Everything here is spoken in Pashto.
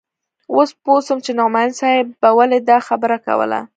اوس پوه سوم چې نعماني صاحب به ولې دا خبره کوله.